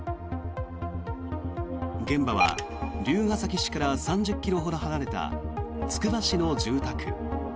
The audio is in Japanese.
現場は龍ケ崎市から３０ｋｍほど離れたつくば市の住宅。